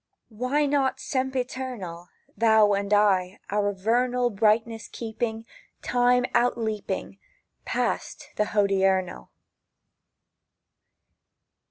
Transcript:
Why not sempiternal Thou and I? Our vernal Brightness keeping, Time outleaping; Passed the hodiernal!